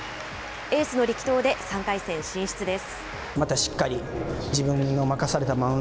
エースの力投で３回戦進出です。